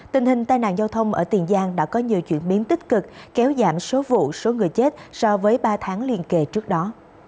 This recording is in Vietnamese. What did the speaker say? tình hình tai nạn giao thông ở tiền giang đã có nhiều chuyển biến tích cực kéo giảm số vụ số người chết so với ba tháng liên kề trước đó